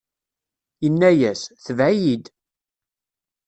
Inna-as: Tebɛ-iyi-d!